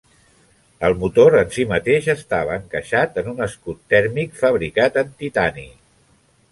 El motor en si mateix estava encaixat en un escut tèrmic fabricat en titani.